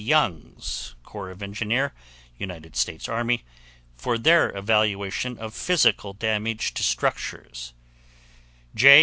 Youngs, Corps of Engineers, United States Army, for their evaluation of physical damage to structures, J.